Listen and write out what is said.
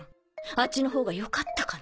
あっちのほうがよかったかな。